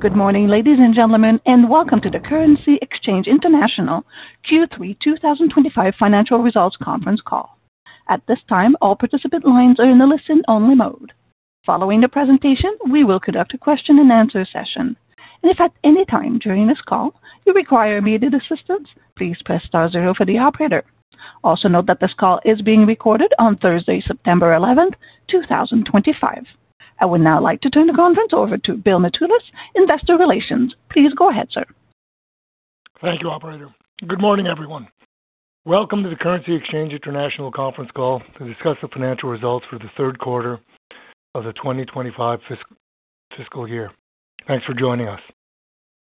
Good morning, ladies and gentlemen, and welcome to the Currency Exchange International Q3 2025 Financial Results Conference Call. At this time, all participant lines are in the listen-only mode. Following the presentation, we will conduct a question-and-answer session. If at any time during this call you require immediate assistance, please press star zero for the operator. Also note that this call is being recorded on Thursday, September 11, 2025. I would now like to turn the conference over to Bill Mitoulas, Investor Relations. Please go ahead, sir. Thank you, Operator. Good morning, everyone. Welcome to the Currency Exchange International Conference Call to discuss the financial results for the third quarter of the 2025 fiscal year. Thanks for joining us.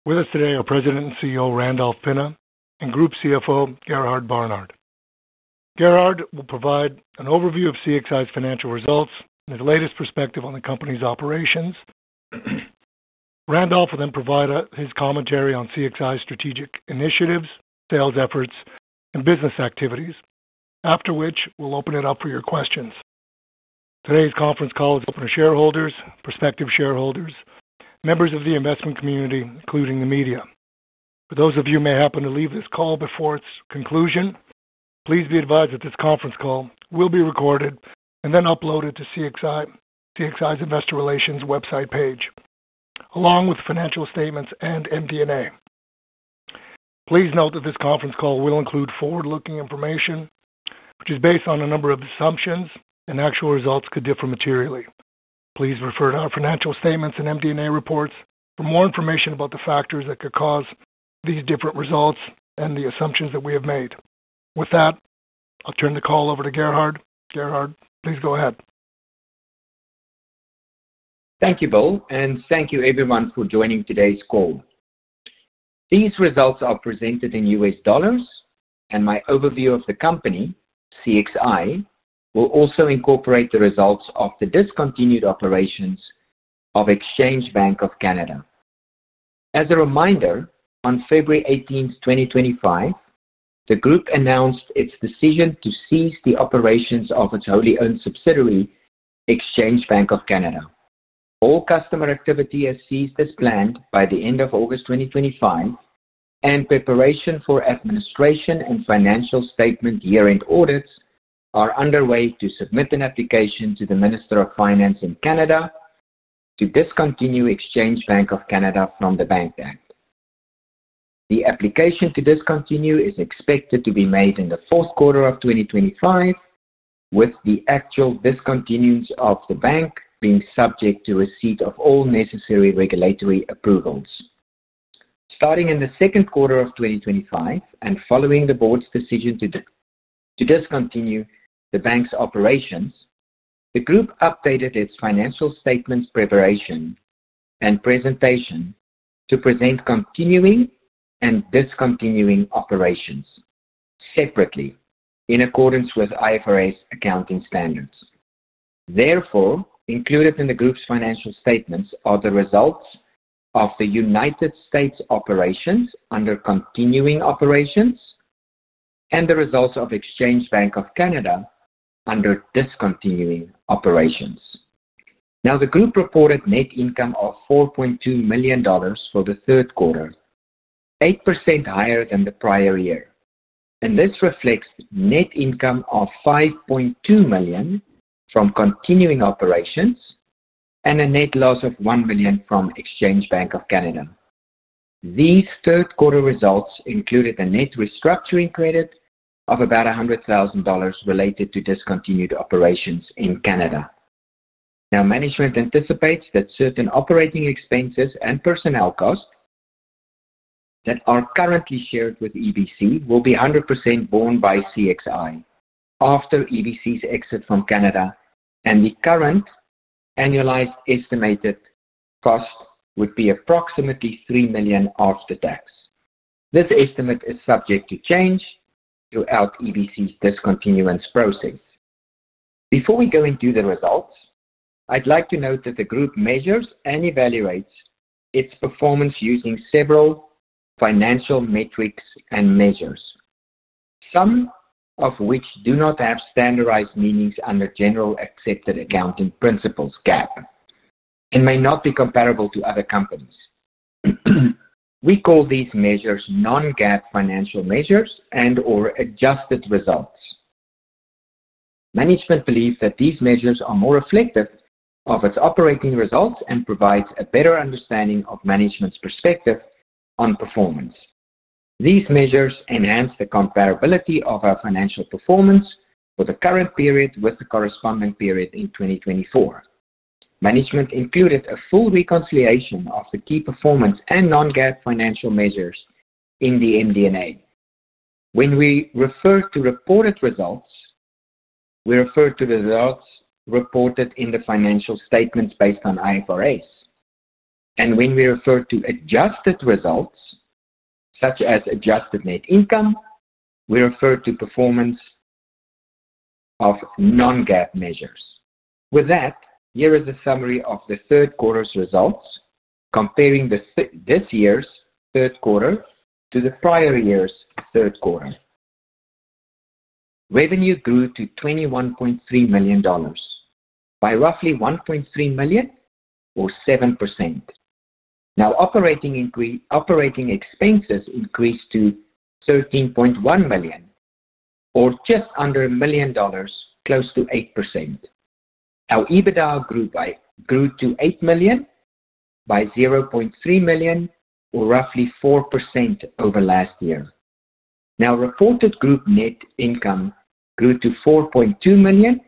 With us today are President and CEO Randolph Pinna and Group CFO Gerhard Barnard. Gerhard will provide an overview of CXI's financial results and his latest perspective on the company's operations. Randolph will then provide his commentary on CXI's strategic initiatives, sales efforts, and business activities, after which we'll open it up for your questions. Today's conference call is open to shareholders, prospective shareholders, and members of the investment community, including the media. For those of you who may happen to leave this call before its conclusion, please be advised that this conference call will be recorded and then uploaded to CXI's Investor Relations website page, along with financial statements and MD&A. Please note that this conference call will include forward-looking information, which is based on a number of assumptions, and actual results could differ materially. Please refer to our financial statements and MD&A reports for more information about the factors that could cause these different results and the assumptions that we have made. With that, I'll turn the call over to Gerhard. Gerhard, please go ahead. Thank you, Bill, and thank you everyone for joining today's call. These results are presented in U.S. dollars, and my overview of the company, CXI, will also incorporate the results of the discontinued operations of Exchange Bank of Canada. As a reminder, on February 18, 2025, the Group announced its decision to cease the operations of its wholly owned subsidiary, Exchange Bank of Canada. All customer activity is ceased as planned by the end of August 2025, and preparation for administration and financial statement year-end audits are underway to submit an application to the Minister of Finance in Canada to discontinue Exchange Bank of Canada from the bank debt. The application to discontinue is expected to be made in the fourth quarter of 2025, with the actual discontinuance of the bank being subject to receipt of all necessary regulatory approvals. Starting in the second quarter of 2025 and following the Board's decision to discontinue the bank's operations, the Group updated its financial statements preparation and presentation to present continuing and discontinuing operations separately in accordance with IFRS accounting standards. Therefore, included in the Group's financial statements are the results of the United States operations under continuing operations and the results of Exchange Bank of Canada under discontinuing operations. Now, the Group reported net income of $4.2 million for the third quarter, 8% higher than the prior year, and this reflects net income of $5.2 million from continuing operations and a net loss of $1 million from Exchange Bank of Canada. These third-quarter results included a net restructuring credit of about $100,000 related to discontinued operations in Canada. Now, management anticipates that certain operating expenses and personnel costs that are currently shared with EBC will be 100% borne by CXI after EBC's exit from Canada, and the current annualized estimated cost would be approximately $3 million after tax. This estimate is subject to change throughout EBC's discontinuance process. Before we go into the results, I'd like to note that the Group measures and evaluates its performance using several financial metrics and measures, some of which do not have standardized meanings under Generally Accepted Accounting Principles (GAAP) and may not be comparable to other companies. We call these measures non-GAAP financial measures and/or adjusted results. Management believes that these measures are more reflective of its operating results and provide a better understanding of management's perspective on performance. These measures enhance the comparability of our financial performance for the current period with the corresponding period in 2024. Management included a full reconciliation of the key performance and non-GAAP financial measures in the MD&A. When we refer to reported results, we refer to the results reported in the financial statements based on IFRS, and when we refer to adjusted results, such as adjusted net income, we refer to performance of non-GAAP measures. With that, here is a summary of the third quarter's results, comparing this year's third quarter to the prior year's third quarter. Revenue grew to $21.3 million by roughly $1.3 million or 7%. Operating expenses increased to $13.1 million or just under a $1 million, close to 8%. Our EBITDA grew to $8 million by $0.3 million or roughly 4% over last year. Reported Group net income grew to $4.2 million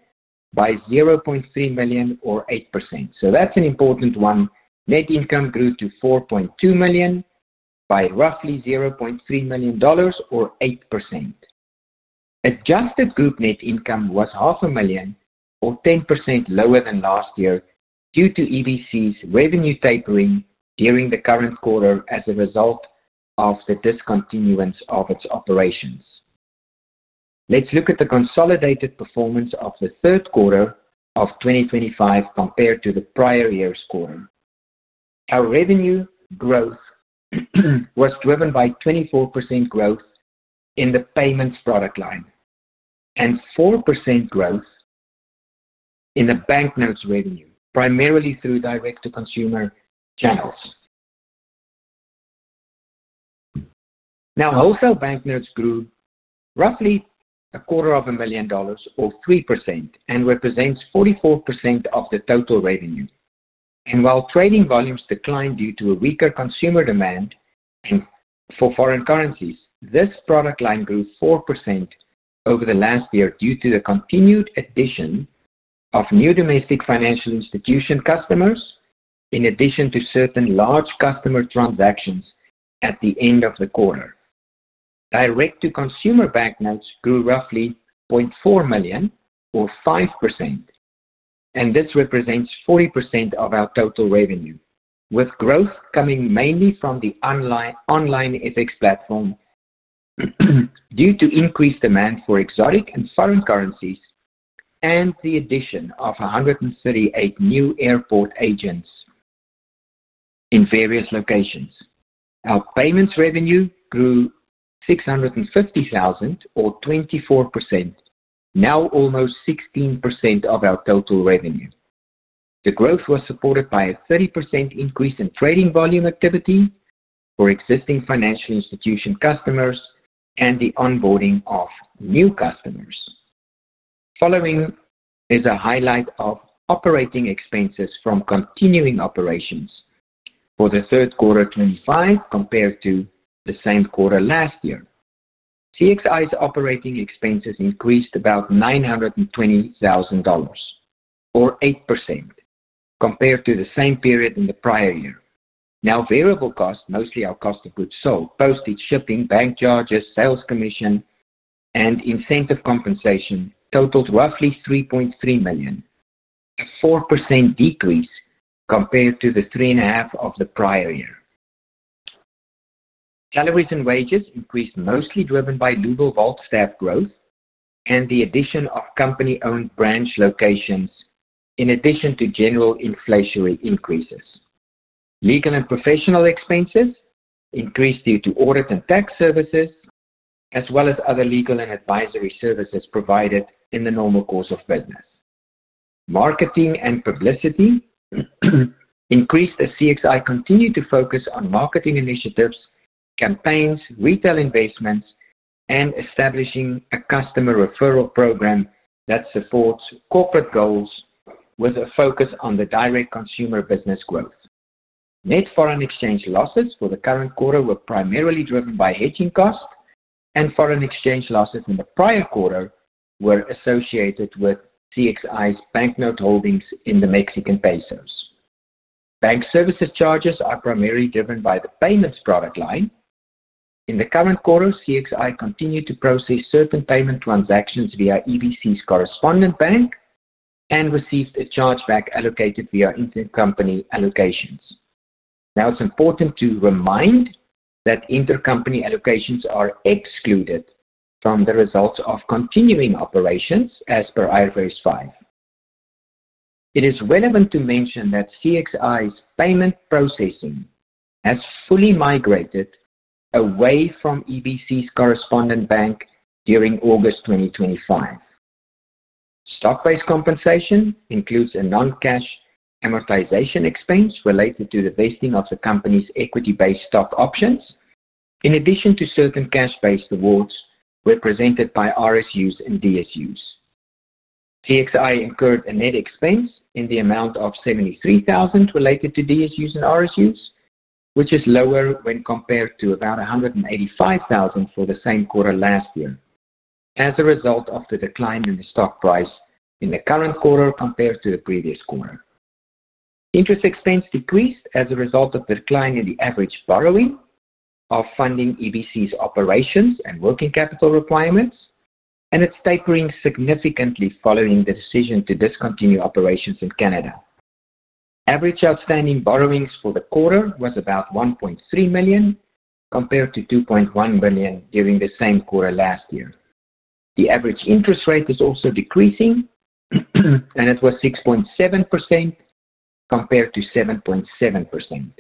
by $0.3 million or 8%. That's an important one. Net income grew to $4.2 million by roughly $0.3 million or 8%. Adjusted Group net income was half a million or 10% lower than last year due to EBC's revenue tapering during the current quarter as a result of the discontinuance of its operations. Let's look at the consolidated performance of the third quarter of 2025 compared to the prior year's quarter. Our revenue growth was driven by 24% growth in the payments product line and 4% growth in the banknotes revenue, primarily through direct-to-consumer channels. Wholesale banknotes grew roughly a quarter of a million dollars or 3% and represents 44% of the total revenue. While trading volumes declined due to a weaker consumer demand for foreign currencies, this product line grew 4% over the last year due to the continued addition of new domestic financial institution customers in addition to certain large customer transactions at the end of the quarter. Direct-to-consumer banknotes grew roughly $0.4 million or 5%, and this represents 40% of our total revenue, with growth coming mainly from the OnlineFX platform due to increased demand for exotic and foreign currencies and the addition of 138 new airport agents in various locations. Our payments revenue grew $650,000 or 24%, now almost 16% of our total revenue. The growth was supported by a 30% increase in trading volume activity for existing financial institution customers and the onboarding of new customers. Following is a highlight of operating expenses from continuing operations for the third quarter of 2025 compared to the same quarter last year. CXI's operating expenses increased about $920,000 or 8% compared to the same period in the prior year. Variable costs, mostly our cost of goods sold, postage, shipping, bank charges, sales commission, and incentive compensation totaled roughly $3.3 million, a 4% decrease compared to the $3.5 million of the prior year. Salaries and wages increased, mostly driven by [Double Vault] staff growth and the addition of company-owned branch locations in addition to general inflationary increases. Legal and professional expenses increased due to audit and tax services, as well as other legal and advisory services provided in the normal course of business. Marketing and publicity increased as CXI continued to focus on marketing initiatives, campaigns, retail investments, and establishing a customer referral program that supports corporate goals with a focus on the direct-to-consumer business growth. Net-foreign exchange losses for the current quarter were primarily driven by hedging costs, and foreign exchange losses in the prior quarter were associated with CXI's banknote holdings in the Mexican pesos. Bank service charges are primarily driven by the payments product line. In the current quarter, CXI continued to process certain payment transactions via EBC's correspondent bank and received a chargeback allocated via intercompany allocations. It is important to remind that intercompany allocations are excluded from the results of continuing operations as per IFRS 5. It is relevant to mention that CXI's payment processing has fully migrated away from EBC's correspondent bank during August 2025. Stock-based compensation includes a non-cash amortization expense related to the vesting of the company's equity-based stock options, in addition to certain cash-based rewards represented by RSUs and DSUs. CXI incurred a net expense in the amount of $73,000 related to DSUs and RSUs, which is lower when compared to about $185,000 for the same quarter last year as a result of the decline in the stock price in the current quarter compared to the previous quarter. Interest expense decreased as a result of the decline in the average borrowing of funding EBC's operations and working capital requirements, and it's tapering significantly following the decision to discontinue operations in Canada. Average outstanding borrowings for the quarter were about $1.3 million compared to $2.1 million during the same quarter last year. The average interest rate is also decreasing, and it was 6.7% compared to 7.7%.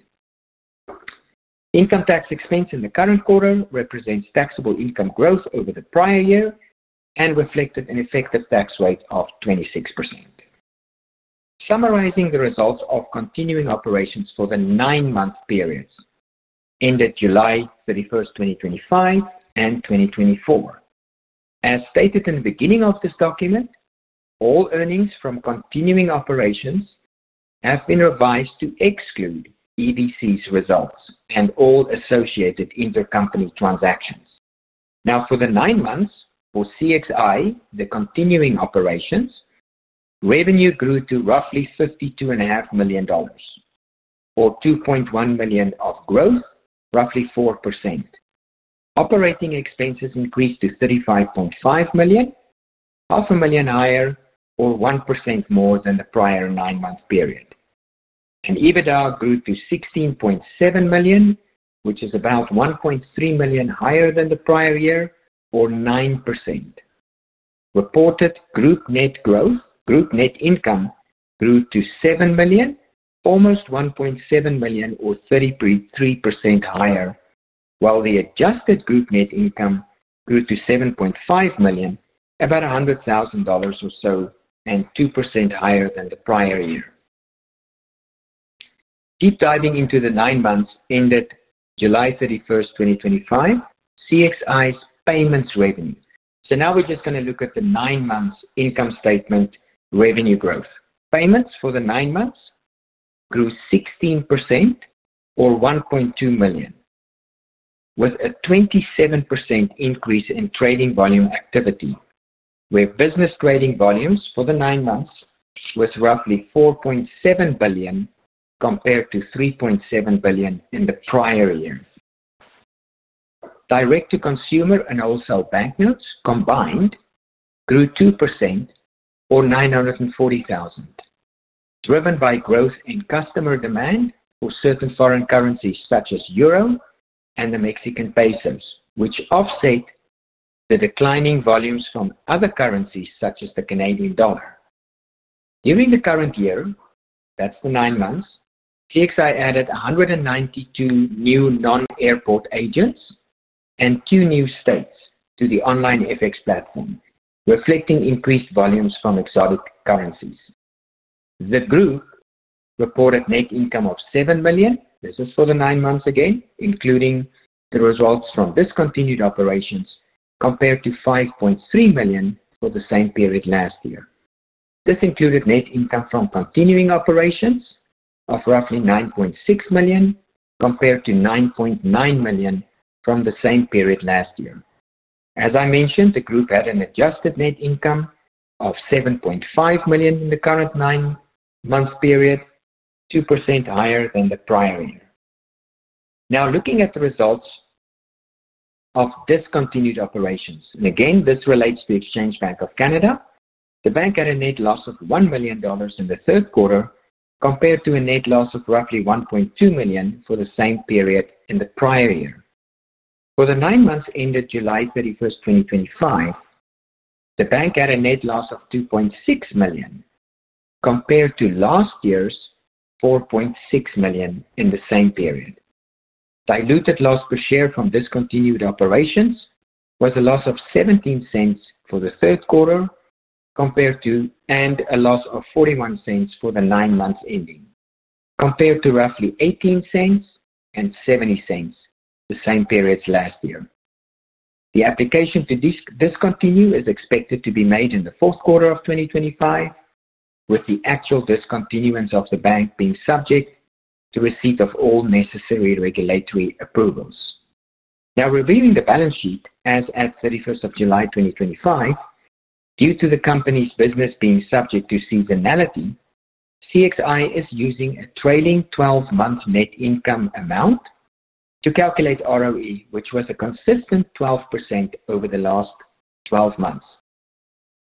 Income tax expense in the current quarter represents taxable income growth over the prior year and reflected an effective tax rate of 26%. Summarizing the results of continuing operations for the nine-month period ended July 31, 2025 and 2024. As stated in the beginning of this document, all earnings from continuing operations have been revised to exclude EBC's results and all associated intercompany transactions. Now, for the nine months for CXI, the continuing operations, revenue grew to roughly $52.5 million or $2.1 million of growth, roughly 4%. Operating expenses increased to $35.5 million, $500,000 higher or 1% more than the prior nine-month period. EBITDA grew to $16.7 million, which is about $1.3 million higher than the prior year or 9%. Reported Group net growth, Group net income grew to $7 million, almost $1.7 million or 33% higher, while the adjusted Group net income grew to $7.5 million, about $100,000 or so and 2% higher than the prior year. Deep diving into the nine months ended July 31st, 2025, CXI's payments revenue. Now we're just going to look at the nine-months income statement revenue growth. Payments for the nine months grew 16% or $1.2 million, with a 27% increase in trading volume activity, where business trading volumes for the nine months were roughly $4.7 billion compared to $3.7 billion in the prior years. Direct-to-consumer and wholesale banknotes combined grew 2% or $940,000, driven by growth in customer demand for certain foreign currencies such as Euro and the Mexican pesos, which offset the declining volumes from other currencies such as the Canadian dollar. During the current year, that's the nine months, CXI added 192 new non-airport agents and two new states to the OnlineFX platform, reflecting increased volumes from exotic currencies. The Group reported net income of $7 million. This is for the nine months again, including the results from discontinued operations compared to $5.3 million for the same period last year. This included net income from continuing operations of roughly $9.6 million compared to $9.9 million from the same period last year. As I mentioned, the Group had an adjusted net income of $7.5 million in the current nine-month period, 2% higher than the prior year. Now, looking at the results of discontinued operations, and again, this relates to Exchange Bank of Canada, the bank had a net loss of $1 million in the third quarter compared to a net loss of roughly $1.2 million for the same period in the prior year. For the nine months ended July 31st, 2025, the bank had a net loss of $2.6 million compared to last year's $4.6 million in the same period. Diluted loss per share from discontinued operations was a loss of $0.17 for the third quarter and a loss of $0.41 for the nine months ending, compared to roughly $0.18 and $0.70 in the same periods last year. The application to discontinue is expected to be made in the fourth quarter of 2025, with the actual discontinuance of the bank being subject to receipt of all necessary regulatory approvals. Now, reviewing the balance sheet as at July 2025, due to the company's business being subject to seasonality, CXI is using a trailing 12-month net income amount to calculate ROE, which was a consistent 12% over the last 12 months,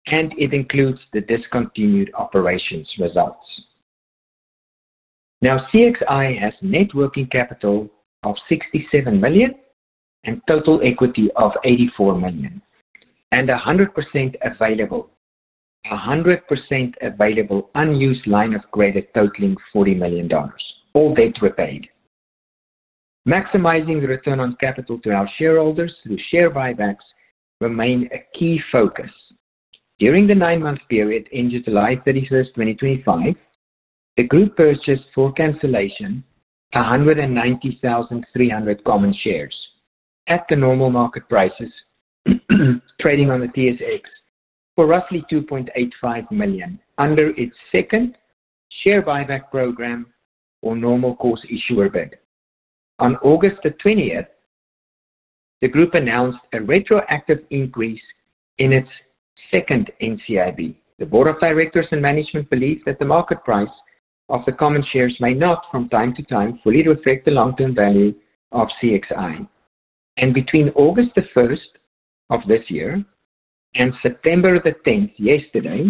and it includes the discontinued operations results. Now, CXI has net working capital of $67 million and total equity of $84 million, and a 100% available unused line of credit totaling $40 million. All debts were paid. Maximizing the return on capital to our shareholders through share buybacks remained a key focus. During the nine-month period ended July 31st, 2025, the Group purchased for cancellation 190,300 common shares at the normal market prices trading on the TSX for roughly $2.85 million under its second share buyback program or normal course issuer bid. On August 20th, the Group announced a retroactive increase in its second NCIB. The Board of Directors and Management believe that the market price of the common shares may not, from time to time, fully reflect the long-term value of CXI. Between August 1st of this year and September 10th, yesterday,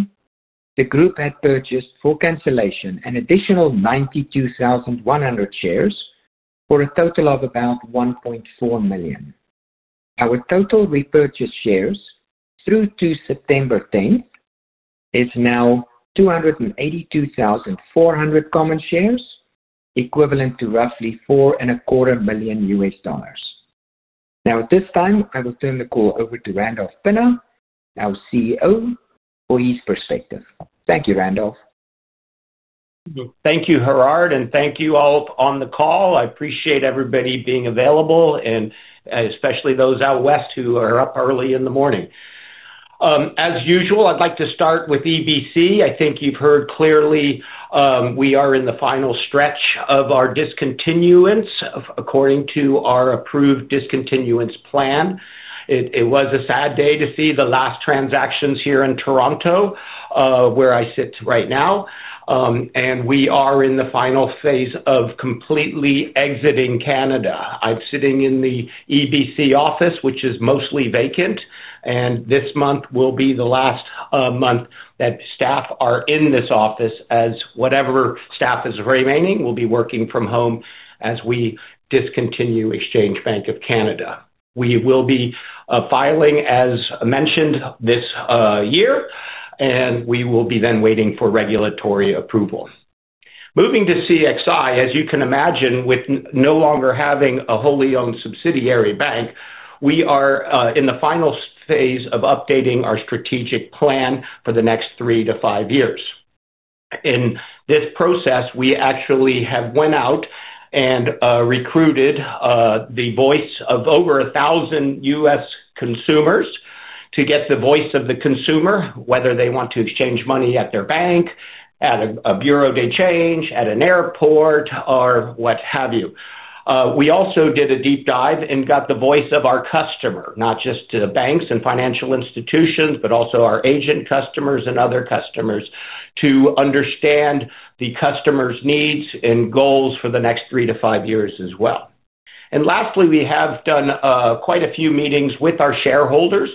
the Group had purchased for cancellation an additional 92,100 shares for a total of about $1.4 million. Our total repurchased shares through to September 10th is now 282,400 common shares, equivalent to roughly $4.25 million U.S. dollars. Now, at this time, I will turn the call over to Randolph Pinna, our CEO, for his perspective. Thank you, Randolph. Thank you, Gerhard, and thank you all on the call. I appreciate everybody being available, especially those out west who are up early in the morning. As usual, I'd like to start with EBC. I think you've heard clearly, we are in the final stretch of our discontinuance according to our approved discontinuance plan. It was a sad day to see the last transactions here in Toronto, where I sit right now. We are in the final phase of completely exiting Canada. I'm sitting in the EBC office, which is mostly vacant, and this month will be the last month that staff are in this office as whatever staff is remaining will be working from home as we discontinue Exchange Bank of Canada. We will be filing, as mentioned, this year, and we will then be waiting for regulatory approval. Moving to CXI, as you can imagine, with no longer having a wholly owned subsidiary bank, we are in the final phase of updating our strategic plan for the next three to five years. In this process, we actually have gone out and recruited the voice of over 1,000 U.S. consumers to get the voice of the consumer, whether they want to exchange money at their bank, at a Bureau de Change, at an airport, or what have you. We also did a deep dive and got the voice of our customer, not just to banks and financial institutions, but also our agent customers and other customers to understand the customer's needs and goals for the next three to five years as well. Lastly, we have done quite a few meetings with our shareholders,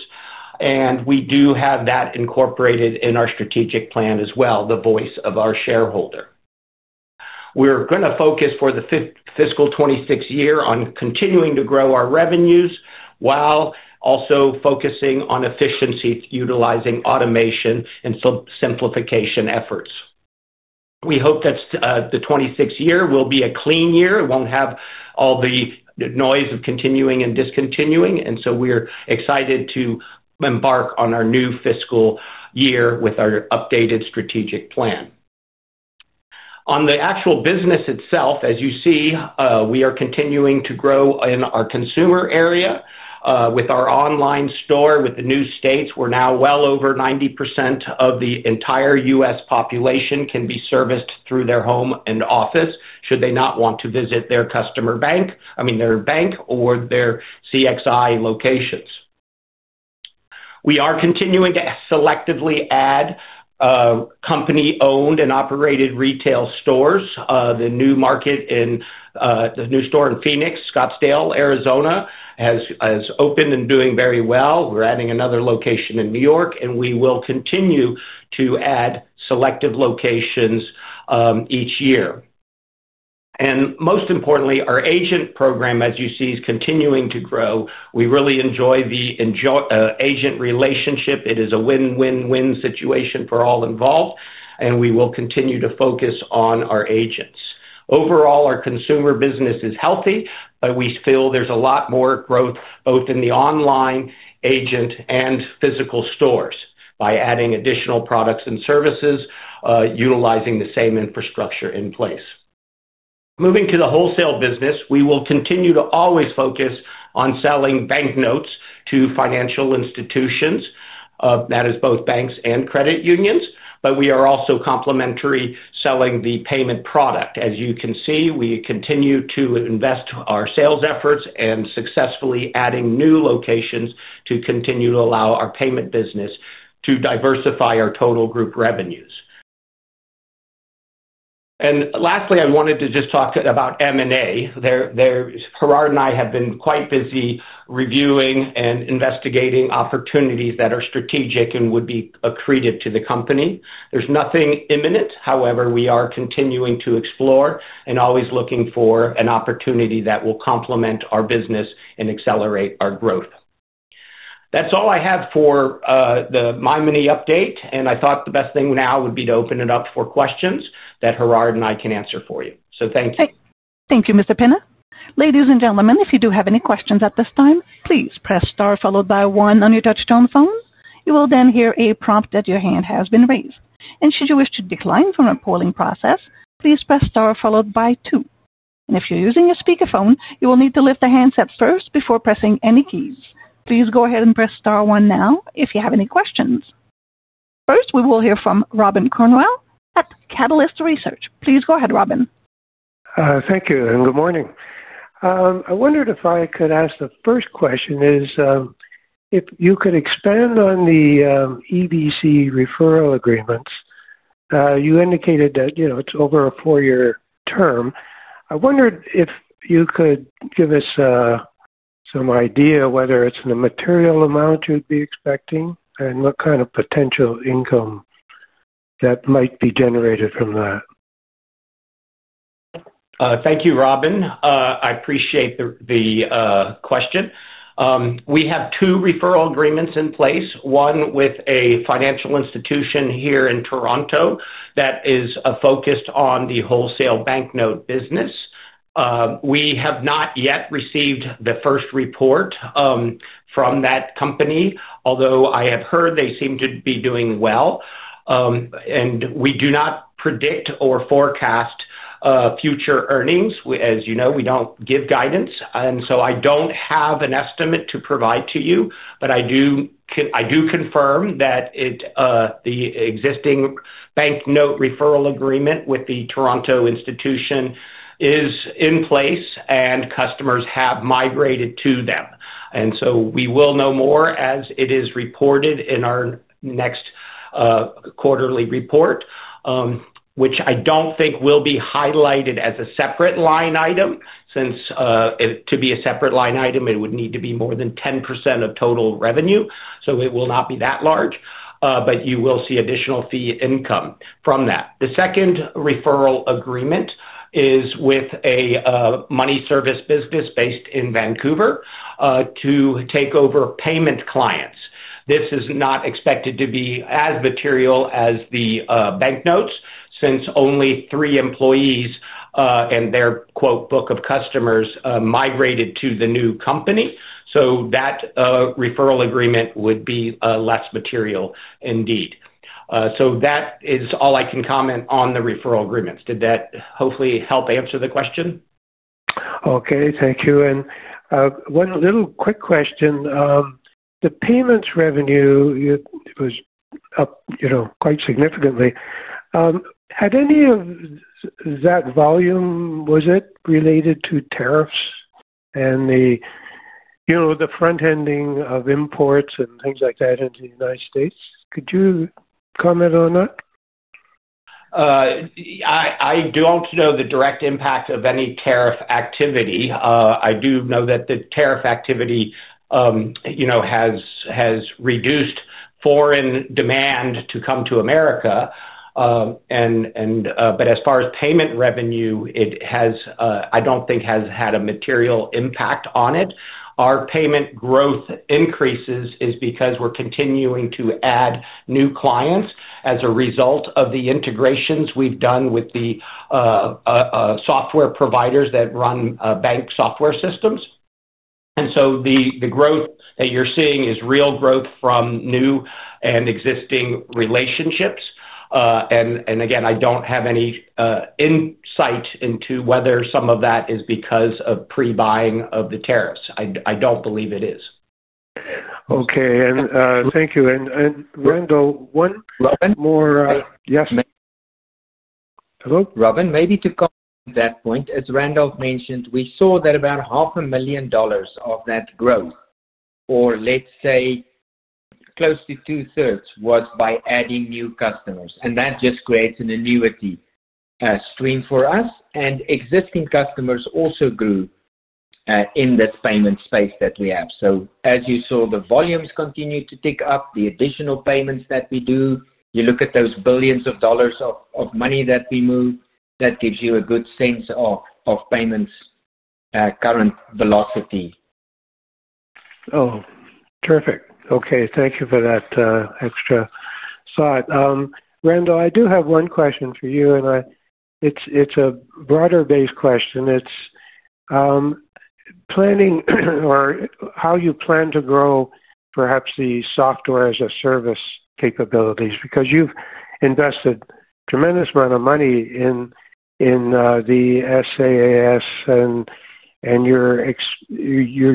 and we do have that incorporated in our strategic plan as well, the voice of our shareholder. We're going to focus for the fiscal 2026 year on continuing to grow our revenues while also focusing on efficiency, utilizing automation and simplification efforts. We hope that the 2026 year will be a clean year. It won't have all the noise of continuing and discontinuing, and we are excited to embark on our new fiscal year with our updated strategic plan. On the actual business itself, as you see, we are continuing to grow in our consumer area with our online store, with the new states. We're now well over 90% of the entire U.S. population can be serviced through their home and office should they not want to visit their bank or their CXI locations. We are continuing to selectively add company-owned and operated retail stores. The new market in the new store in Phoenix, Scottsdale, Arizona has opened and is doing very well. We're adding another location in New York, and we will continue to add selective locations each year. Most importantly, our agent program, as you see, is continuing to grow. We really enjoy the agent relationship. It is a win-win-win situation for all involved, and we will continue to focus on our agents. Overall, our consumer business is healthy. We feel there's a lot more growth both in the online agent and physical stores by adding additional products and services, utilizing the same infrastructure in place. Moving to the wholesale business, we will continue to always focus on selling banknotes to financial institutions. That is both banks and credit unions, but we are also complementarily selling the payment product. As you can see, we continue to invest our sales efforts and successfully add new locations to continue to allow our payment business to diversify our total group revenues. Lastly, I wanted to just talk about M&A. Gerhard and I have been quite busy reviewing and investigating opportunities that are strategic and would be accretive to the company. There's nothing imminent. However, we are continuing to explore and always looking for an opportunity that will complement our business and accelerate our growth. That's all I have for the My mini update, and I thought the best thing now would be to open it up for questions that Gerhard and I can answer for you. Thank you. Thank you, Mr. Pinna. Ladies and gentlemen, if you do have any questions at this time, please press star followed by one on your touchtone phone. You will then hear a prompt that your hand has been raised. Should you wish to decline from the polling process, please press star followed by two. If you're using a speakerphone, you will need to lift the handset first before pressing any keys. Please go ahead and press star one now if you have any questions. First, we will hear from Robin Cornwell at Catalyst Research. Please go ahead, Robin. Thank you, and good morning. I wondered if I could ask the first question. If you could expand on the EBC referral agreements, you indicated that it's over a four-year term. I wondered if you could give us some idea whether it's in a material amount you'd be expecting and what kind of potential income that might be generated from that. Thank you, Robin. I appreciate the question. We have two referral agreements in place, one with a financial institution here in Toronto that is focused on the wholesale banknote business. We have not yet received the first report from that company, although I have heard they seem to be doing well. We do not predict or forecast future earnings. As you know, we don't give guidance, and I don't have an estimate to provide to you, but I do confirm that the existing banknote referral agreement with the Toronto institution is in place and customers have migrated to them. We will know more as it is reported in our next quarterly report, which I don't think will be highlighted as a separate line item. To be a separate line item, it would need to be more than 10% of total revenue, so it will not be that large. You will see additional fee income from that. The second referral agreement is with a money service business based in Vancouver to take over payment clients. This is not expected to be as material as the banknotes since only three employees and their quote "book of customers" migrated to the new company, so that referral agreement would be less material indeed. That is all I can comment on the referral agreements. Did that hopefully help answer the question? Okay, thank you. One little quick question. The payments revenue was up, you know, quite significantly. Had any of that volume, was it related to tariffs and the, you know, the front ending of imports and things like that into the United States? Could you comment on that? I don't know the direct impact of any tariff activity. I do know that the tariff activity has reduced foreign demand to come to America. As far as payment revenue, it has, I don't think, had a material impact on it. Our payment growth increases because we're continuing to add new clients as a result of the integrations we've done with the software providers that run bank software systems. The growth that you're seeing is real growth from new and existing relationships. I don't have any insight into whether some of that is because of pre-buying of the tariffs. I don't believe it is. Okay, thank you. Randolph, one more, yes? Hello. Robin, maybe to comment on that point, as Randolph mentioned, we saw that about $0.5 million of that growth, or let's say close to 2/3, was by adding new customers. That just creates an annuity stream for us. Existing customers also grew in this payment space that we have. You saw the volumes continue to tick up, the additional payments that we do. You look at those billions of dollars of money that we move, that gives you a good sense of payments current velocity. Oh, terrific. Okay, thank you for that extra thought. Randolph, I do have one question for you, and it's a broader-based question. It's planning or how you plan to grow perhaps the software-as-a-service capabilities because you've invested a tremendous amount of money in the SaaS and you're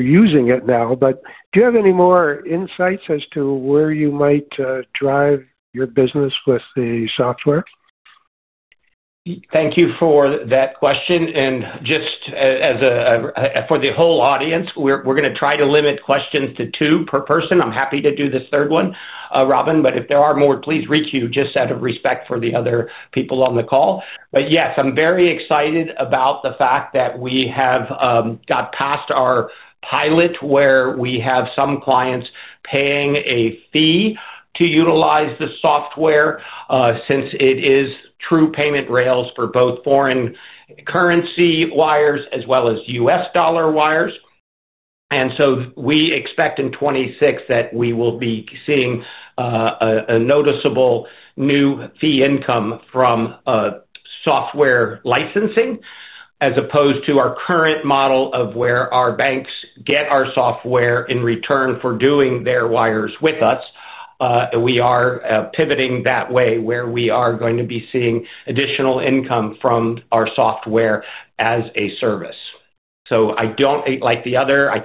using it now. Do you have any more insights as to where you might drive your business with the software? Thank you for that question. Just as for the whole audience, we're going to try to limit questions to two per person. I'm happy to do this third one, Robin, but if there are more, please reach out just out of respect for the other people on the call. Yes, I'm very excited about the fact that we have got past our pilot where we have some clients paying a fee to utilize the software since it is true payment rails for both foreign currency wires as well as U.S. dollar wires. We expect in 2026 that we will be seeing a noticeable new fee income from software licensing as opposed to our current model of where our banks get our software in return for doing their wires with us. We are pivoting that way where we are going to be seeing additional income from our software as a service. I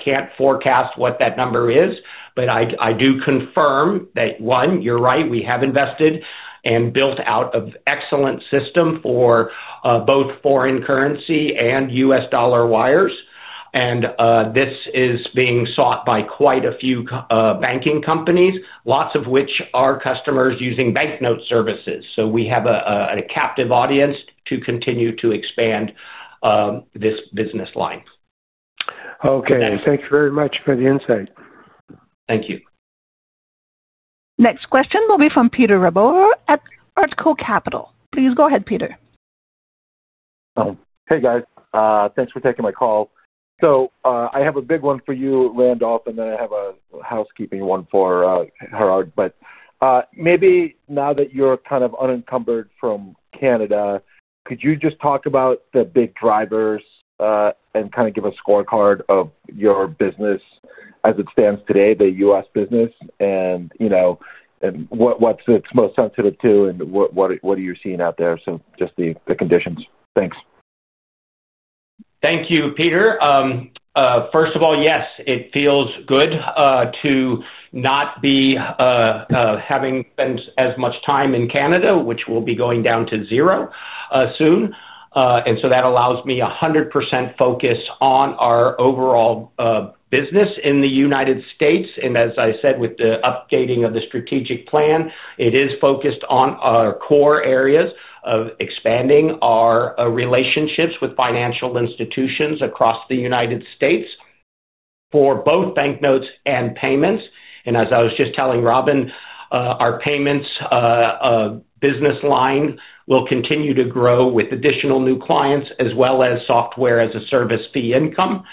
can't forecast what that number is, but I do confirm that, one, you're right, we have invested and built out an excellent system for both foreign currency and U.S. dollar wires. This is being sought by quite a few banking companies, lots of which are customers using banknote services. We have a captive audience to continue to expand this business line. Okay, thank you very much for the insight. Thank you. Next question will be from Peter Rabover at Artko Capital. Please go ahead, Peter. Hey guys, thanks for taking my call. I have a big one for you, Randolph, and then I have a housekeeping one for Gerhard. Maybe now that you're kind of unencumbered from Canada, could you just talk about the big drivers and kind of give a scorecard of your business as it stands today, the U.S. business, and you know, what's it most sensitive to and what are you seeing out there? Just the conditions. Thanks. Thank you, Peter. First of all, yes, it feels good to not be having spent as much time in Canada, which will be going down to zero soon. That allows me 100% focus on our overall business in the U.S. As I said, with the updating of the strategic plan, it is focused on our core areas of expanding our relationships with financial institutions across the U.S. for both banknotes and payments. As I was just telling Robin, our payments business line will continue to grow with additional new clients as well as software-as-a-service fee income.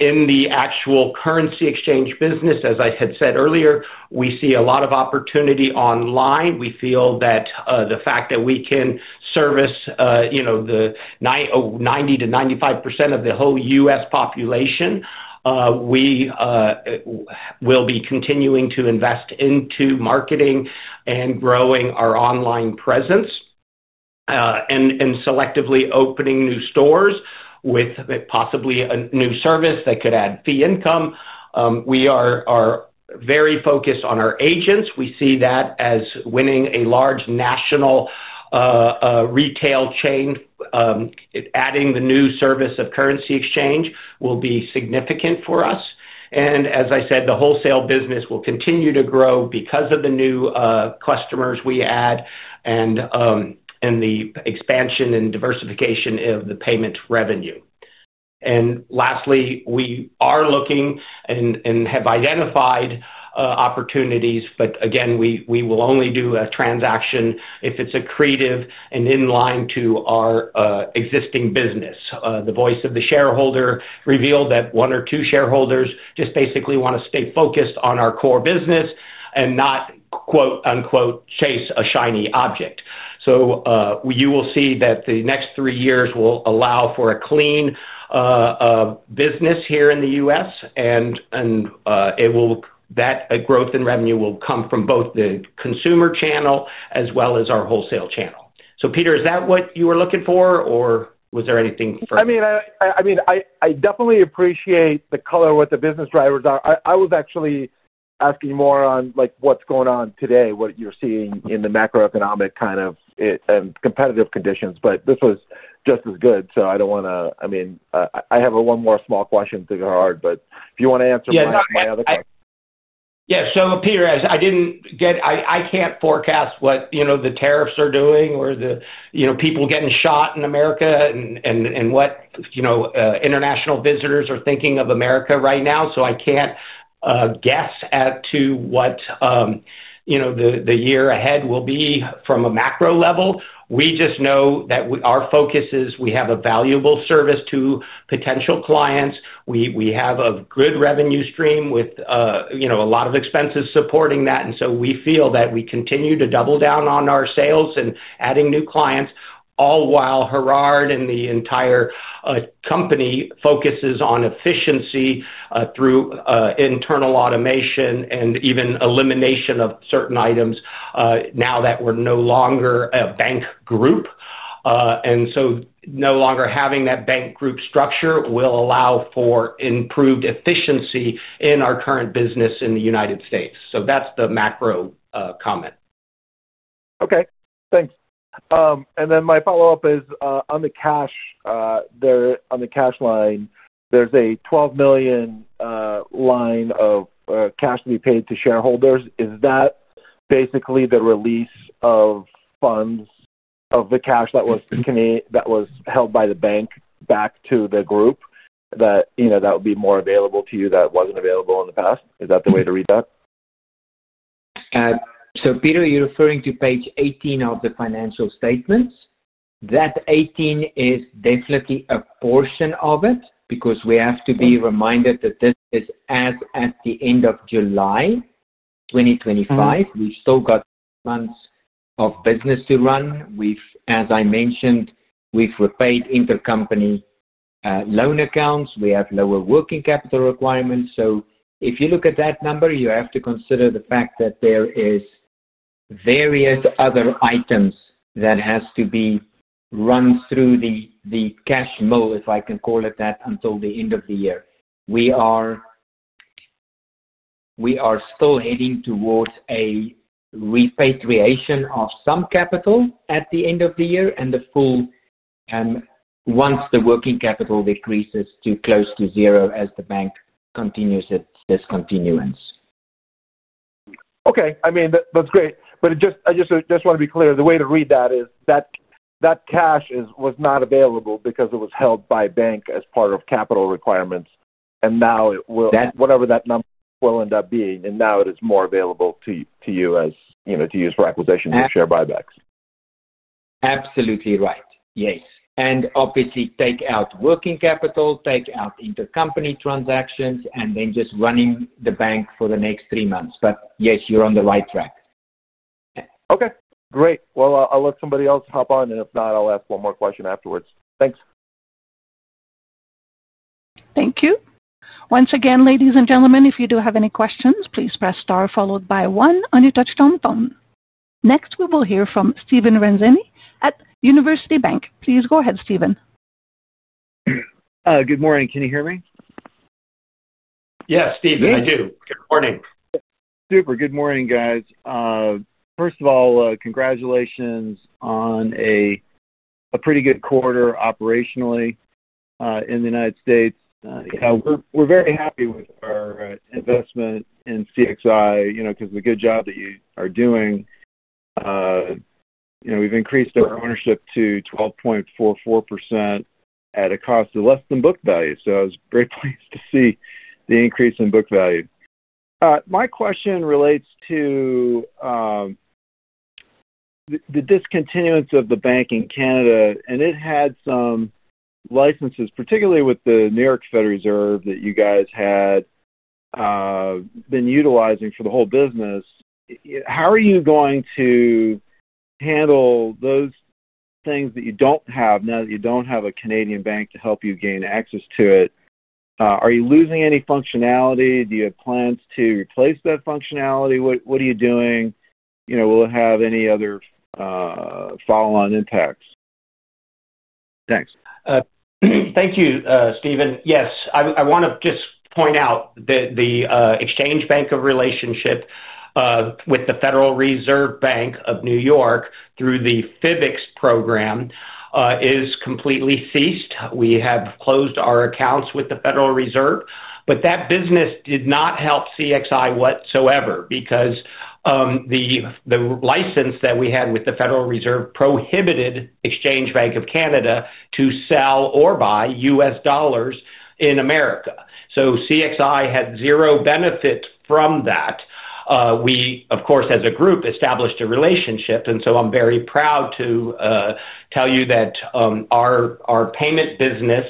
In the actual currency exchange business, as I had said earlier, we see a lot of opportunity online. We feel that the fact that we can service 90%-95% of the whole U.S. population, we will be continuing to invest into marketing and growing our online presence and selectively opening new stores with possibly a new service that could add fee income. We are very focused on our agents. We see that as winning a large national retail chain. Adding the new service of currency exchange will be significant for us. As I said, the wholesale business will continue to grow because of the new customers we add and the expansion and diversification of the payment revenue. Lastly, we are looking and have identified opportunities, but again, we will only do a transaction if it's accretive and in line to our existing business. The voice of the shareholder revealed that one or two shareholders just basically want to stay focused on our core business and not quote unquote chase a shiny object. You will see that the next three years will allow for a clean business here in the U.S., and that growth in revenue will come from both the consumer channel as well as our wholesale channel. Peter, is that what you were looking for or was there anything further? I definitely appreciate the color of what the business drivers are. I was actually asking more on what's going on today, what you're seeing in the macroeconomic kind of competitive conditions. This was just as good. I have one more small question to Gerhard, but if you want to answer my other question. Yeah, Peter, I can't forecast what the tariffs are doing or people getting shot in America and what international visitors are thinking of America right now. I can't guess at what the year ahead will be from a macro level. We just know that our focus is we have a valuable service to potential clients. We have a good revenue stream with a lot of expenses supporting that. We feel that we continue to double down on our sales and adding new clients, all while Gerhard and the entire company focus on efficiency through internal automation and even elimination of certain items now that we're no longer a bank group. No longer having that bank group structure will allow for improved efficiency in our current business in the United States. That's the macro comment. Okay, thanks. My follow-up is on the cash. On the cash line, there's a $12 million line of cash to be paid to shareholders. Is that basically the release of funds of the cash that was held by the bank back to the group, that would be more available to you that wasn't available in the past? Is that the way to read that? You're referring to page 18 of the financial statements. That 18 is definitely a portion of it because we have to be reminded that this is as at the end of July 2025. We've still got months of business to run. As I mentioned, we've repaid intercompany loan accounts. We have lower working capital requirements. If you look at that number, you have to consider the fact that there are various other items that have to be run through the cash mole, if I can call it that, until the end of the year. We are still heading towards a repatriation of some capital at the end of the year and the full once the working capital decreases to close to zero as the bank continues its discontinuance. Okay, I mean, that's great. I just want to be clear, the way to read that is that that cash was not available because it was held by a bank as part of capital requirements. Now, whatever that number will end up being, it is more available to you to use for acquisition and share buybacks. Absolutely right. Yes. Obviously, take out working capital, take out intercompany transactions, and then just running the bank for the next three months. Yes, you're on the right track. Okay, great. I'll let somebody else hop on. If not, I'll ask one more question afterwards. Thanks. Thank you. Once again, ladies and gentlemen, if you do have any questions, please press star followed by one on your touchtone phone. Next, we will hear from Steven Ranzini at University Bank. Please go ahead, Steven. Good morning. Can you hear me? Yes, Steven, I do. Good morning. Super. Good morning, guys. First of all, congratulations on a pretty good quarter operationally in the United States. We're very happy with our investment in CXI, you know, because of the good job that you are doing. We've increased our ownership to 12.44% at a cost of less than book value. I was very pleased to see the increase in book value. My question relates to the discontinuance of the bank in Canada, and it had some licenses, particularly with the New York Federal Reserve that you guys had been utilizing for the whole business. How are you going to handle those things now that you don't have a Canadian bank to help you gain access to it? Are you losing any functionality? Do you have plans to replace that functionality? What are you doing? Will it have any other follow-on impacts? Thanks. Thank you, Steven. Yes, I want to just point out that the Exchange Bank relationship with the Federal Reserve Bank of New York through the [FBICS] program is completely ceased. We have closed our accounts with the Federal Reserve, but that business did not help CXI whatsoever because the license that we had with the Federal Reserve prohibited Exchange Bank of Canada to sell or buy U.S. dollars in America. CXI had zero benefit from that. We, of course, as a group, established a relationship, and I am very proud to tell you that our payment business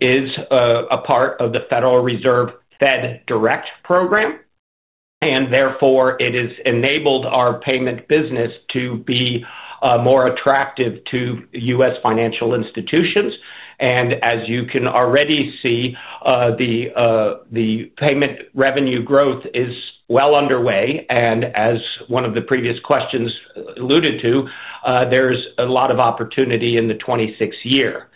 is a part of the Federal Reserve Fed Direct program, and therefore it has enabled our payment business to be more attractive to U.S. financial institutions. As you can already see, the payment revenue growth is well underway, and as one of the previous questions alluded to, there's a lot of opportunity in the 2026 year.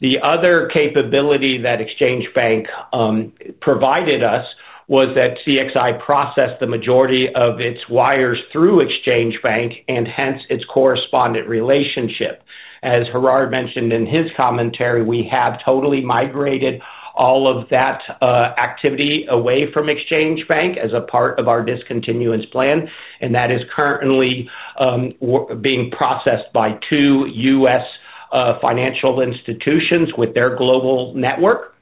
The other capability that Exchange Bank of Canada provided us was that CXI processed the majority of its wires through Exchange Bank of Canada, and hence its correspondent relationship. As Gerhard mentioned in his commentary, we have totally migrated all of that activity away from Exchange Bank as a part of our discontinuance plan, and that is currently being processed by two U.S. financial institutions with their global network.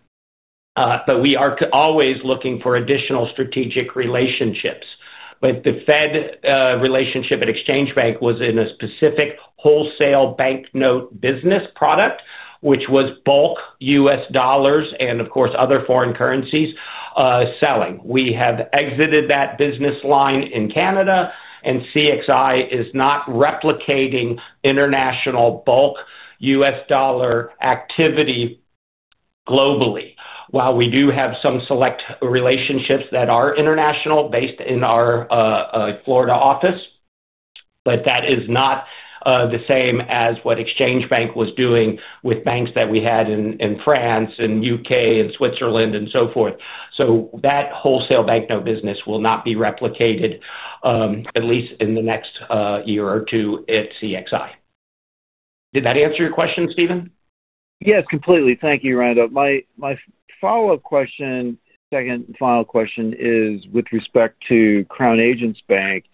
We are always looking for additional strategic relationships. The Fed relationship at Exchange Bank of Canada was in a specific wholesale banknote business product, which was bulk U.S. dollars and, of course, other foreign currencies selling. We have exited that business line in Canada, and CXI is not replicating international bulk U.S. dollar activity globally. While we do have some select relationships that are international-based in our Florida office, that is not the same as what Exchange Bank was doing with banks that we had in France, in the U.K., in Switzerland, and so forth. That wholesale banknote business will not be replicated, at least in the next year or two at CXI. Did that answer your question, Steven? Yes, completely. Thank you, Randolph. My follow-up question, second and final question, is with respect to Crown Agents Bank.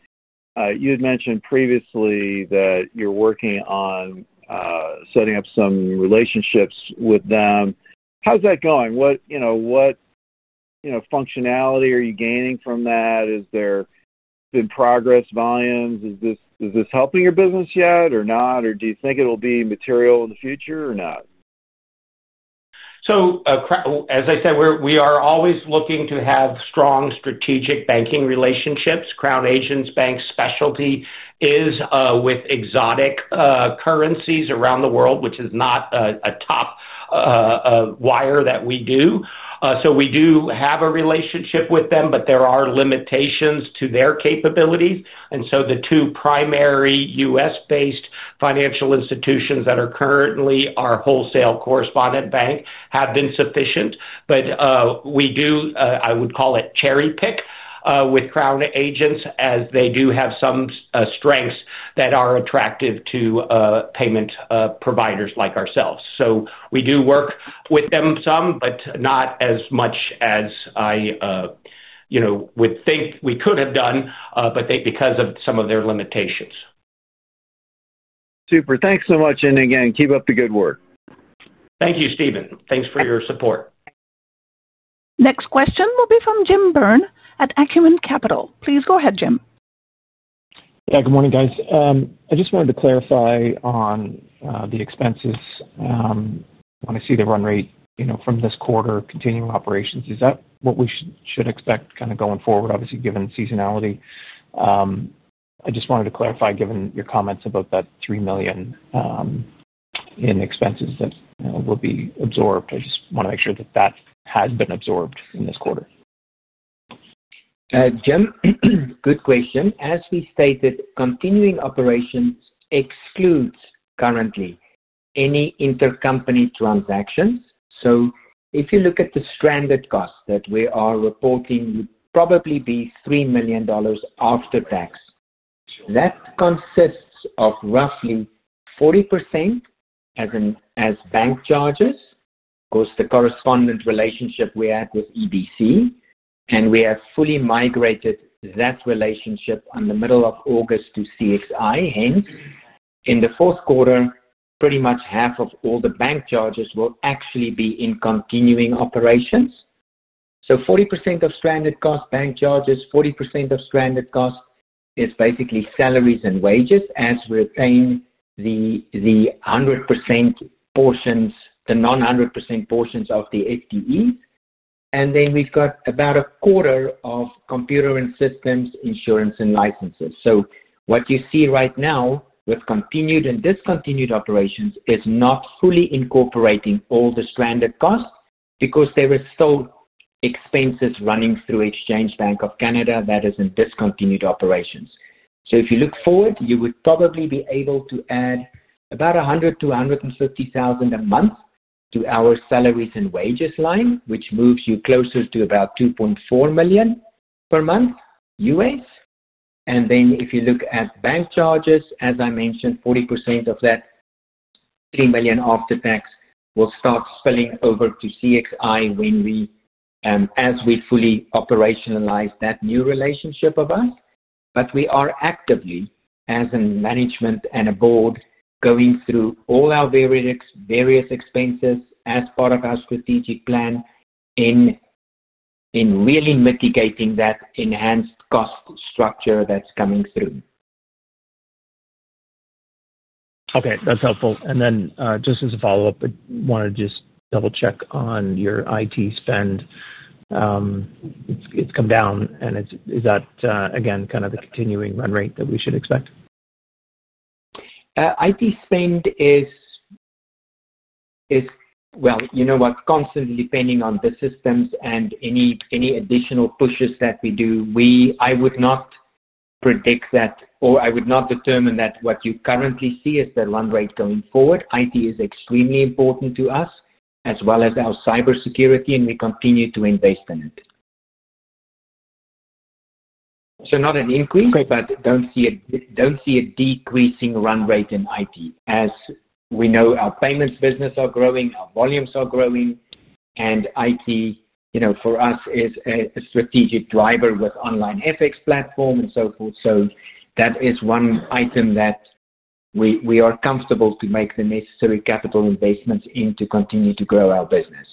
You had mentioned previously that you're working on setting up some relationships with them. How's that going? What functionality are you gaining from that? Has there been progress volumes? Is this helping your business yet or not? Do you think it'll be material in the future or not? As I said, we are always looking to have strong strategic banking relationships. Crown Agents Bank's specialty is with exotic currencies around the world, which is not a top wire that we do. We do have a relationship with them, but there are limitations to their capabilities. The two primary U.S.-based financial institutions that are currently our wholesale correspondent bank have been sufficient. We do, I would call it, cherry-pick with Crown Agents as they do have some strengths that are attractive to payment providers like ourselves. We do work with them some, but not as much as I would think we could have done because of some of their limitations. Super. Thanks so much. Again, keep up the good work. Thank you, Steven. Thank you for your support. Next question will be from Jim Byrne at Acumen Capital. Please go ahead, Jim. Good morning, guys. I just wanted to clarify on the expenses. When I see the run rate from this quarter, continuing operations, is that what we should expect going forward, obviously given seasonality? I just wanted to clarify given your comments about that $3 million in expenses that will be absorbed. I just want to make sure that that has been absorbed in this quarter. Jim, good question. As we stated, continuing operations excludes currently any intercompany transactions. If you look at the stranded cost that we are reporting, it would probably be $3 million after tax. That consists of roughly 40% as bank charges, of course, the correspondent relationship we had with EBC, and we have fully migrated that relationship in the middle of August to CXI Inc. In the fourth quarter, pretty much half of all the bank charges will actually be in continuing operations. 40% of stranded cost is bank charges, 40% of stranded cost is basically salaries and wages as we're paying the 100% portions, the non-100% portions of the FDE. Then we've got about a quarter of computer and systems insurance and licenses. What you see right now with continued and discontinued operations is not fully incorporating all the stranded costs because there were still expenses running through Exchange Bank of Canada that is in discontinued operations. If you look forward, you would probably be able to add about $100,000-$150,000 a month to our salaries and wages line, which moves you closer to about $2.4 million per month U.S. If you look at bank charges, as I mentioned, 40% of that $3 million after tax will start spilling over to CXI as we fully operationalize that new relationship of ours. We are actively, as in management and the board, going through all our various expenses as part of our strategic plan in really mitigating that enhanced cost structure that's coming through. Okay, that's helpful. Just as a follow-up, I wanted to just double-check on your IT spend. It's come down, and is that again kind of the continuing run rate that we should expect? IT spend is, you know, constantly depending on the systems and any additional pushes that we do. I would not predict that or I would not determine that what you currently see is the run rate going forward. IT is extremely important to us as well as our cybersecurity, and we continue to invest in it. Not an increase, but don't see a decreasing run rate in IT. As we know, our payments business is growing, our volumes are growing, and IT, you know, for us is a strategic driver with OnlineFX platform and so forth. That is one item that we are comfortable to make the necessary capital investments in to continue to grow our business.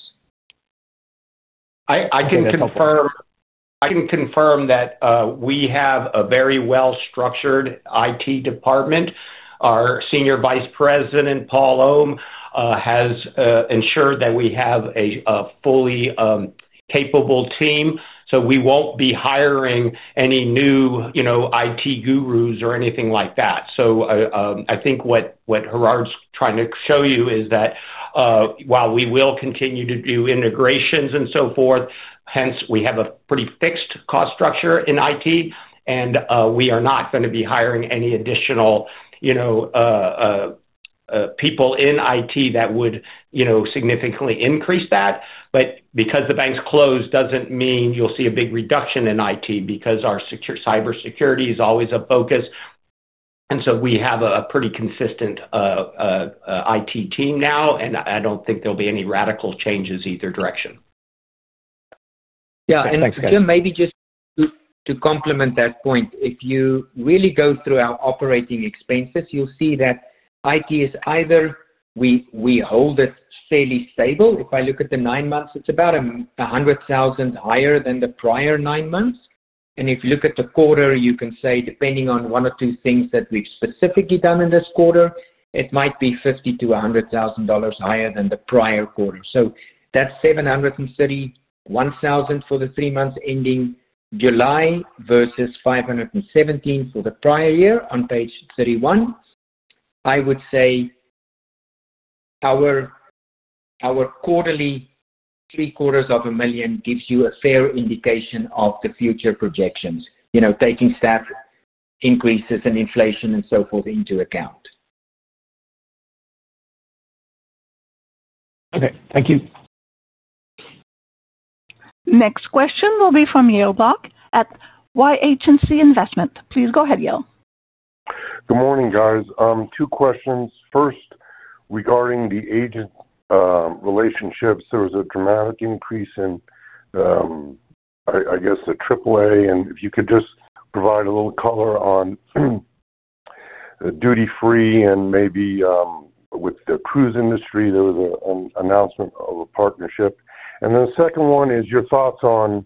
I can confirm that we have a very well-structured IT department. Our Senior Vice President, Paul Ohm, has ensured that we have a fully capable team. We won't be hiring any new IT gurus or anything like that. I think what Gerhard's trying to show you is that while we will continue to do integrations and so forth, we have a pretty fixed cost structure in IT, and we are not going to be hiring any additional people in IT that would significantly increase that. Because the banks close, it doesn't mean you'll see a big reduction in IT because our cybersecurity is always a focus. We have a pretty consistent IT team now, and I don't think there'll be any radical changes either direction. Yeah, and Jim, maybe just to complement that point, if you really go through our operating expenses, you'll see that IT is either we hold it fairly stable. If I look at the nine months, it's about $100,000 higher than the prior nine months. If you look at the quarter, you can say depending on one or two things that we've specifically done in this quarter, it might be $50,000-$100,000 higher than the prior quarter. That's $731,000 for the three months ending July versus $517,000 for the prior year on page 31. I would say our quarterly three-quarters of a million gives you a fair indication of the future projections, you know, taking staff increases and inflation and so forth into account. Okay, thank you. Next question will be from [Yale Block] at Y Agency Investment. Please go ahead, Yale. Good morning, guys. Two questions. First, regarding the agent relationships, there was a dramatic increase in, I guess, the AAA. If you could just provide a little color on duty-free and maybe with the cruise industry, there was an announcement of a partnership. The second one is your thoughts on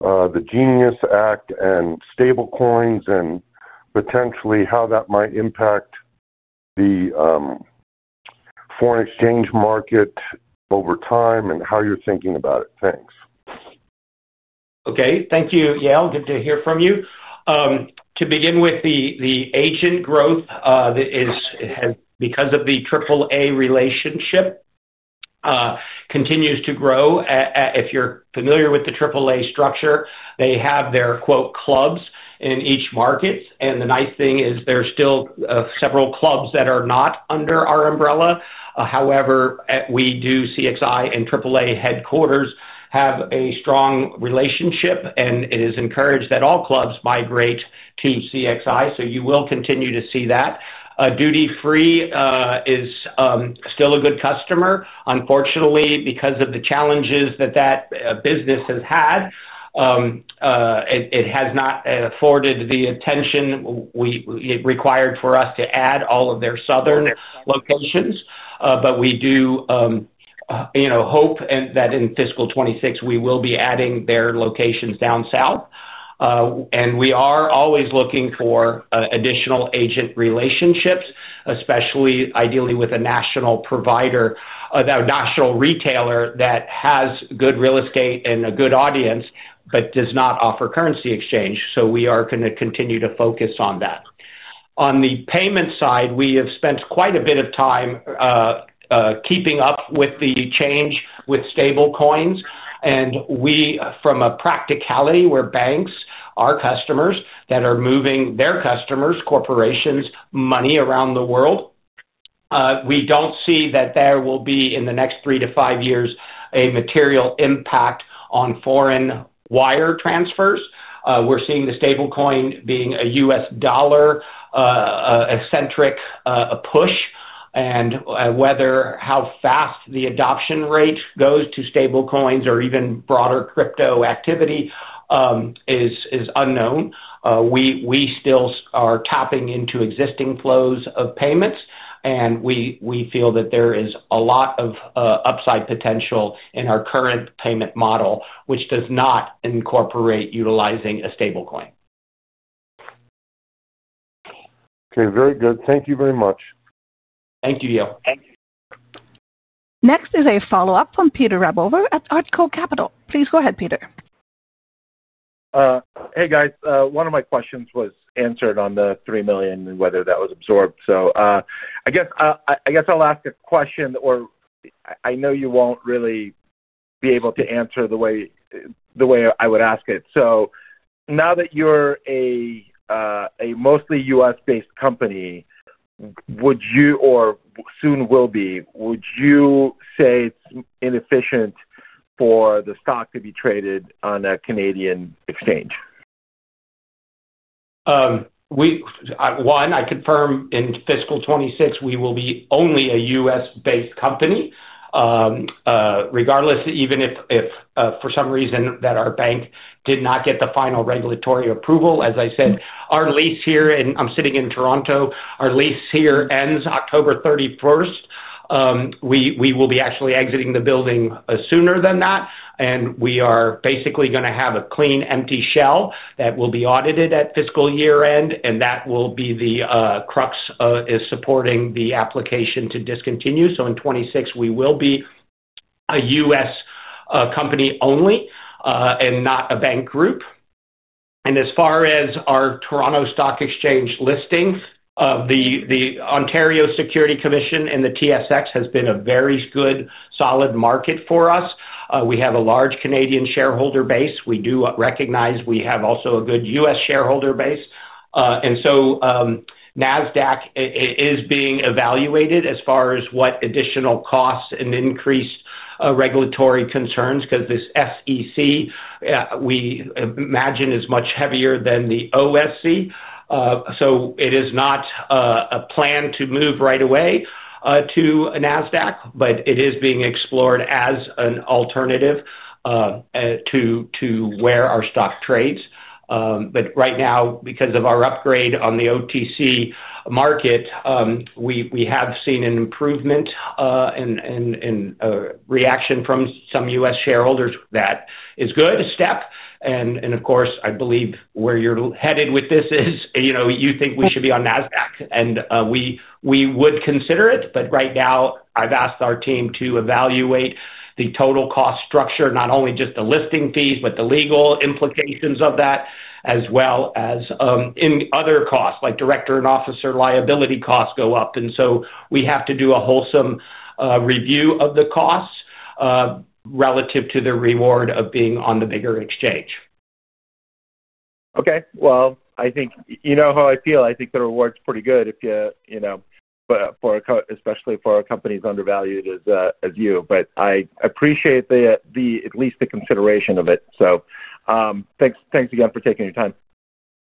the GENIUS Act and stablecoins and potentially how that might impact the foreign exchange market over time and how you're thinking about it. Thanks. Okay, thank you, Yale. Good to hear from you. To begin with, the agent growth that has because of the AAA relationship continues to grow. If you're familiar with the AAA structure, they have their "clubs" in each market. The nice thing is there's still several clubs that are not under our umbrella. However, CXI and AAA headquarters have a strong relationship, and it is encouraged that all clubs migrate to CXI. You will continue to see that. Duty-free is still a good customer. Unfortunately, because of the challenges that that business has had, it has not afforded the attention required for us to add all of their southern locations. We do hope that in fiscal 2026, we will be adding their locations down south. We are always looking for additional agent relationships, especially ideally with a national provider, a national retailer that has good real estate and a good audience but does not offer currency exchange. We are going to continue to focus on that. On the payment side, we have spent quite a bit of time keeping up with the change with stablecoins. From a practicality, we're banks, our customers that are moving their customers, corporations, money around the world. We don't see that there will be, in the next three to five years, a material impact on foreign wire transfers. We're seeing the stablecoin being a U.S. dollar-centric push. Whether how fast the adoption rate goes to stablecoins or even broader crypto activity is unknown. We still are tapping into existing flows of payments, and we feel that there is a lot of upside potential in our current payment model, which does not incorporate utilizing a stablecoin. Okay, very good. Thank you very much. Thank you, Yale. Next is a follow-up from Peter Rabover at Artko Capital. Please go ahead, Peter. Hey guys, one of my questions was answered on the $3 million and whether that was absorbed. I guess I'll ask a question. I know you won't really be able to answer the way I would ask it. Now that you're a mostly U.S.-based company, would you, or soon will be, would you say it's inefficient for the stock to be traded on a Canadian exchange? One, I confirm in fiscal 2026, we will be only a U.S.-based company. Regardless, even if for some reason that our bank did not get the final regulatory approval, as I said, our lease here, and I'm sitting in Toronto, our lease here ends October 31st, 2025. We will be actually exiting the building sooner than that. We are basically going to have a clean empty shell that will be audited at fiscal year end, and that will be the crux of supporting the application to discontinue. In 2026, we will be a U.S. company only and not a bank group. As far as our Toronto Stock Exchange listing, the Ontario Securities Commission and the TSX have been a very good solid market for us. We have a large Canadian shareholder base. We do recognize we have also a good U.S. shareholder base. Nasdaq is being evaluated as far as what additional costs and increased regulatory concerns because the SEC, we imagine, is much heavier than the OSC. It is not a plan to move right away to Nasdaq, but it is being explored as an alternative to where our stock trades. Right now, because of our upgrade on the OTC market, we have seen an improvement and reaction from some U.S. shareholders. That is good, a step. I believe where you're headed with this is, you know, you think we should be on Nasdaq, and we would consider it. Right now, I've asked our team to evaluate the total cost structure, not only just the listing fees, but the legal implications of that, as well as other costs, like director and officer liability costs go up. We have to do a wholesome review of the costs relative to the reward of being on the bigger exchange. Okay, I think you know how I feel. I think the reward's pretty good if you, you know, but especially for a company as undervalued as you. I appreciate at least the consideration of it. Thanks again for taking your time.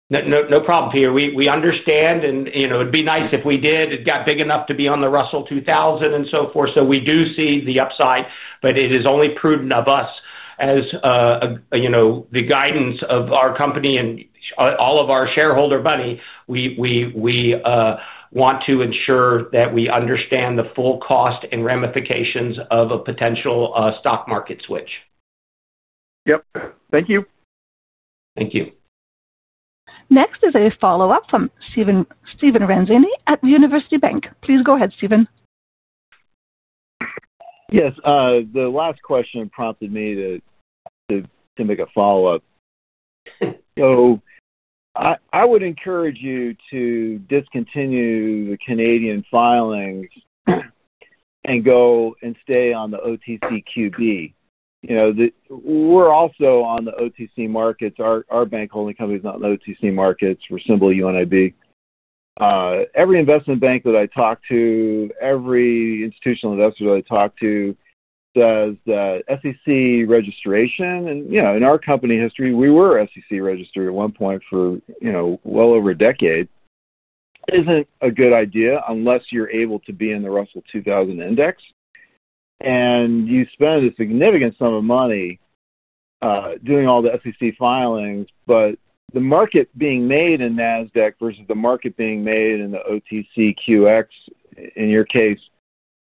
No problem, Peter. We understand, and you know, it'd be nice if we did. It got big enough to be on the Russell 2000 and so forth. We do see the upside, but it is only prudent of us as the guidance of our company and all of our shareholder money. We want to ensure that we understand the full cost and ramifications of a potential stock market switch. Thank you. Thank you. Next is a follow-up from Steven Ranzini at University Bank. Please go ahead, Steven. Yes, the last question prompted me to make a follow-up. I would encourage you to discontinue the Canadian filings and go and stay on the OTCQB. You know, we're also on the OTC markets. Our bank holding company is not in the OTC markets. We're symbol UNIB. Every investment bank that I talk to, every institutional investor that I talk to says that SEC registration, and in our company history, we were SEC registered at one point for, you know, well over a decade, isn't a good idea unless you're able to be in the Russell 2000 index. You spend a significant sum of money doing all the SEC filings, but the market being made in Nasdaq versus the market being made in the OTCQX, in your case,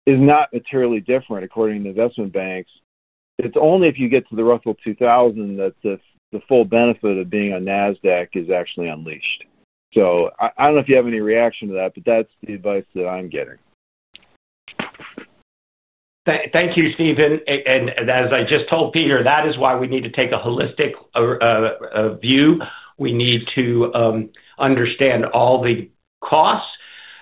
is not materially different according to investment banks. It's only if you get to the Russell 2000 that the full benefit of being on Nasdaq is actually unleashed. I don't know if you have any reaction to that, but that's the advice that I'm getting. Thank you, Steven. As I just told Peter, that is why we need to take a holistic view. We need to understand all the costs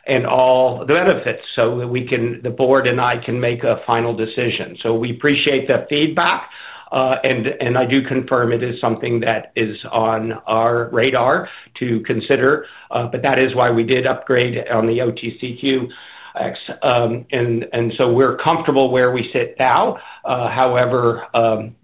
and all the benefits so that the board and I can make a final decision. We appreciate that feedback, and I do confirm it is something that is on our radar to consider. That is why we did upgrade on the OTCQX, and we're comfortable where we sit now. However,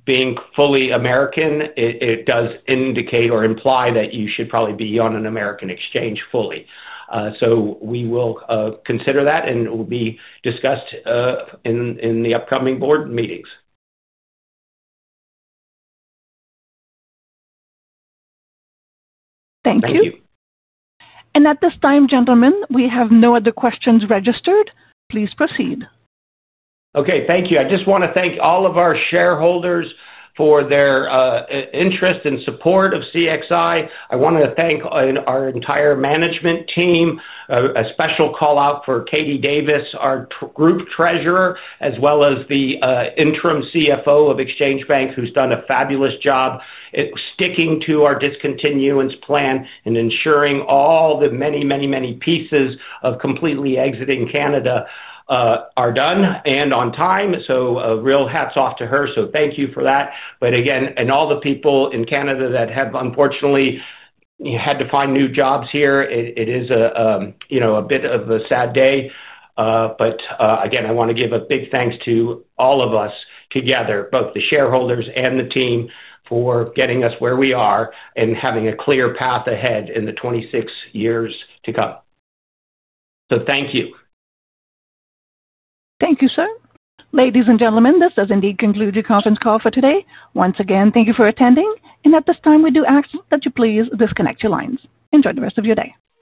being fully American, it does indicate or imply that you should probably be on an American exchange fully. We will consider that, and it will be discussed in the upcoming board meetings. Thank you. At this time, gentlemen, we have no other questions registered. Please proceed. Okay, thank you. I just want to thank all of our shareholders for their interest and support of CXI. I want to thank our entire management team. A special call-out for Katie Davis, our Group Treasurer, as well as the Interim CFO of Exchange Bank, who's done a fabulous job sticking to our discontinuance plan and ensuring all the many, many, many pieces of completely exiting Canada are done and on time. Real hats off to her. Thank you for that. Again, all the people in Canada that have unfortunately had to find new jobs here, it is a bit of a sad day. Again, I want to give a big thanks to all of us together, both the shareholders and the team, for getting us where we are and having a clear path ahead in the 26 years to come. Thank you. Thank you, sir. Ladies and gentlemen, this does indeed conclude your conference call for today. Once again, thank you for attending. At this time, we do ask that you please disconnect your lines. Enjoy the rest of your day.